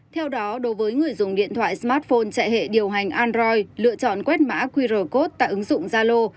theo đó đối với người dùng điện thoại smartphone chạy hệ điều hành android lựa chọn quét mã qr code tại ứng dụng zalo